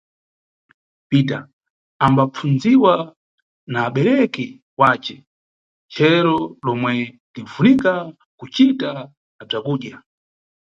Pita ambapfundziwa na abereki wace chero lomwe linʼfunika kucita na bzakudya.